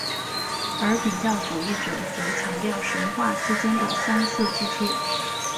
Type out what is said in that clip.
而比较主义者则强调神话之间的相似之处。